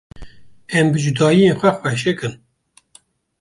Em bi cudahiyên xwe xweşik in.